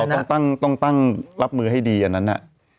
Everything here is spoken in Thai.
เราต้องตั้งต้องตั้งรับมือให้ดีอันนั้นอ่ะ